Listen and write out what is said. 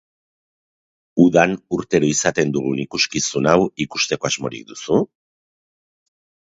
Udan urtero izaten dugun ikuskizun hau ikusteko asmorik duzu?